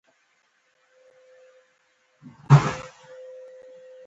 دا سیمه منځنی ختیځ دی چې ډېر بحث پرې کېږي.